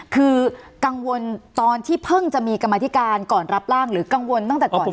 คือกังวลตอนที่เพิ่งจะมีกรรมธิการก่อนรับร่างหรือกังวลตั้งแต่ก่อน